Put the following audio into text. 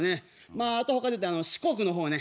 まああとほかで言うと四国の方ね。